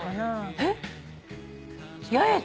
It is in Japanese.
えっ？